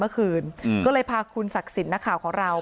เมื่อคืนเป็นความโตขอบกับลูกแล้ว